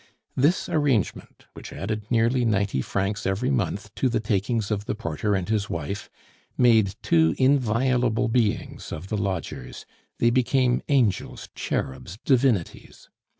This arrangement, which added nearly ninety francs every month to the takings of the porter and his wife, made two inviolable beings of the lodgers; they became angels, cherubs, divinities.